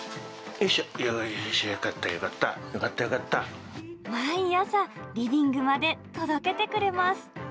よーし、よかった、よかった、毎朝、リビングまで届けてくれます。